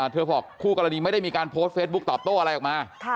เธอบอกคู่กรณีไม่ได้มีการโพสต์เฟซบุ๊คตอบโต้อะไรออกมา